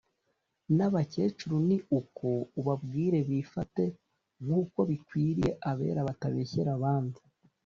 N’abakecuru ni uko ubabwire bifate nk’uko bikwiriye abera batabeshyera abandi,